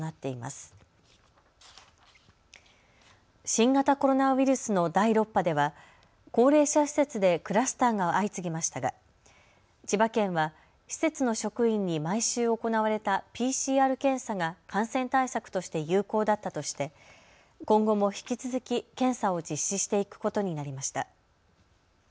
新型コロナウイルスの第６波では高齢者施設でクラスターが相次ぎましたが千葉県は施設の職員に毎週行われたＰＣＲ検査が感染対策として有効だったとして今後も引き続き検査を実施していくことになりました。